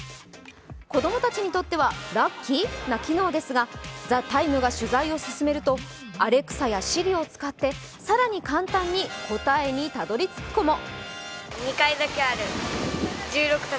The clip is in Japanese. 子どもたちにとってはラッキーな機能ですが、「ＴＨＥＴＩＭＥ，」が取材を進めるとアレクサやＳｉｒｉを使って更に簡単に答えにたどり着く子も。